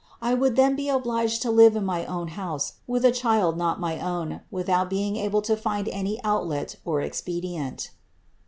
I would then be obliged to live in my own house with a child not my own, without being able to find any outlet or expedient."